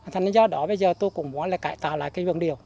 thành ra do đó bây giờ tôi cũng muốn cải tạo lại cái vườn điều